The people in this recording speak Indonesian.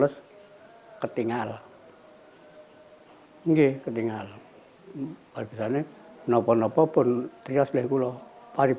saya sudah sampai saya percaya sekali